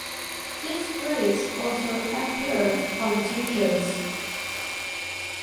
This phrase also appeared on T-shirts.